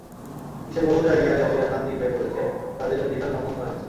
বিশ্বের বহু জায়গায় আদিবাসীরা প্রান্তিক হয়ে পড়েছে, তাদের অধিকার লঙ্ঘন করা হচ্ছে।